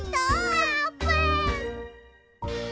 あーぷん！